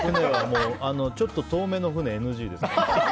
ちょっと遠めの船、ＮＧです。